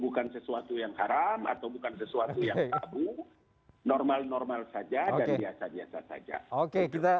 bukan sesuatu yang kabur normal normal saja dan biasa biasa saja